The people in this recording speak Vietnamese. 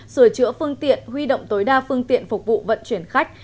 sửa chữa phương tiện huy động tối đa phương tiện phục vụ vận chuyển khách